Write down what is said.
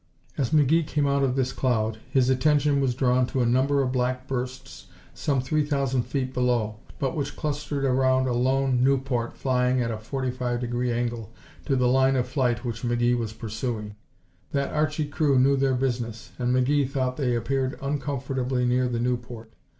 As McGee came out of this cloud, his attention was drawn to a number of black bursts some three thousand feet below, but which clustered around a lone Nieuport flying at a forty five degree angle to the line of flight which McGee was pursuing. That Archie crew knew their business, and McGee thought they appeared uncomfortably near the Nieuport.